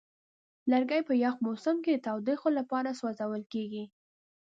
لرګی په یخ موسم کې د تودوخې لپاره سوځول کېږي.